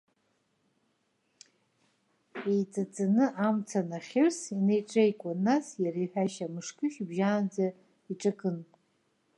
Еиҵаҵаны, амца нахьырс инаиҿаикуан, нас, иара иҳәашьа, мышкы шьыбжьаанӡа иҿакын.